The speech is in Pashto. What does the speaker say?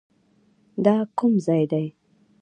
دا کوم ځای دی؟